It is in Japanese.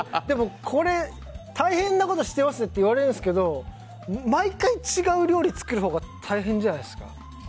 でも大変なことしてますねって言われるんですけど毎回違う料理作るほうが大変じゃないですか。